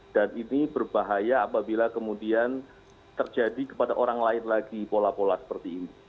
dan ini berbahaya apabila kemudian terjadi kepada orang lain lagi pola pola seperti ini